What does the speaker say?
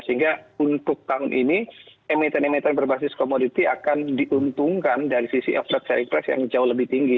sehingga untuk tahun ini emiten emiten berbasis komoditi akan diuntungkan dari sisi efek sharing price yang jauh lebih tinggi